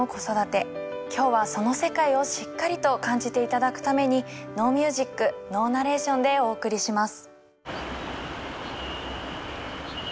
今日はその世界をしっかりと感じて頂くためにノーミュージックノーナレーションでお送りします。